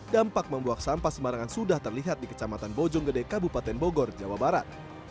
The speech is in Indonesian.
dampak membuang sampah sembarangan sudah terlihat di kecamatan bojonggede kabupaten bogor jawa barat